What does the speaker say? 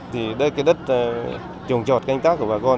thì đất trồng trọt canh tác của bà con